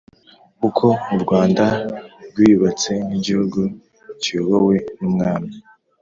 uko u Rwanda rwiyubatse nk igihugu kiyobowe n umwami